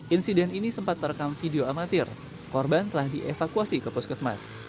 insiden ini sempat terekam video amatir korban telah dievakuasi ke puskesmas